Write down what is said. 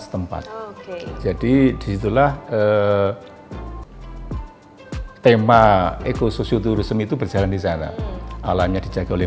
setempat jadi disitulah eh tema ekososio turisme itu berjalan di sana alamnya dijaga oleh